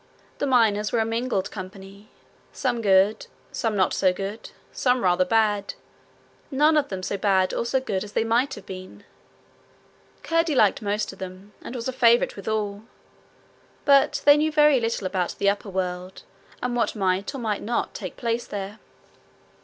The miners were a mingled company some good, some not so good, some rather bad none of them so bad or so good as they might have been; Curdie liked most of them, and was a favourite with all; but they knew very little about the upper world, and what might or might not take place there.